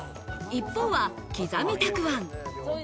一方は刻みたくあん。